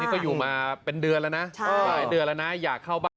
ก็อยู่มาเป็นเดือนแล้วนะหลายเดือนแล้วนะอยากเข้าบ้าน